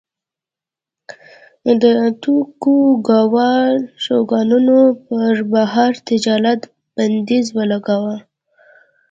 د توکوګاوا شوګانانو پر بهر تجارت بندیز ولګاوه.